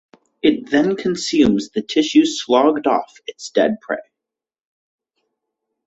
It then consumes the tissue sloughed off its dead prey.